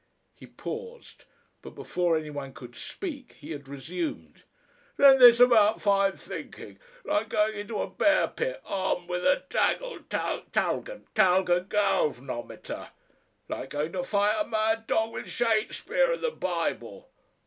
He paused, but before any one could speak he had resumed. "Then this about fine thinking. Like going into a bear pit armed with a tagle talgent talgent galv'nometer. Like going to fight a mad dog with Shasepear and the Bible.